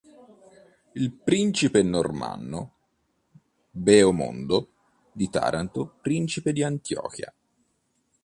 Il principe normanno Boemondo di Taranto, principe di Antiochia.